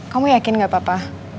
kamu yakin gak papa